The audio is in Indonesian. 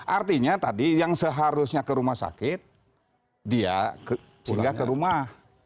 artinya tadi yang seharusnya ke rumah sakit dia tinggal ke rumah